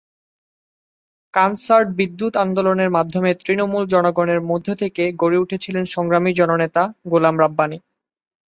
কানসাট-বিদ্যুৎ আন্দোলনের মাধ্যমে তৃণমূল জনগণের মধ্যে থেকে গড়ে উঠেছিলেন সংগ্রামী জননেতা- গোলাম রাব্বানী।